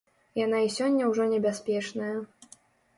Яна і сёння ўжо небяспечная.